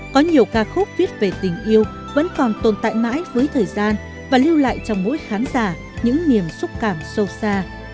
có nhiều ca khúc viết về tình yêu vẫn còn tồn tại mãi với thời gian và lưu lại trong mỗi khán giả những niềm xúc cảm sâu xa